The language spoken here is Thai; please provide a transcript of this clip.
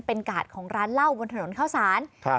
เป็นกาดของร้านเหล้าบนถนนข้าวสารครับ